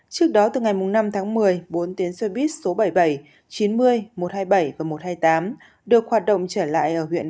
trước đó từ ngày năm tháng một mươi bốn tuyến xe buýt số bảy mươi bảy chín mươi một trăm hai mươi bảy và một trăm hai mươi tám được hoạt động trở lại ở huyện